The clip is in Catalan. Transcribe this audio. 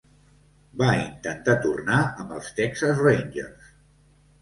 Va intentar tornar amb els Texas Rangers.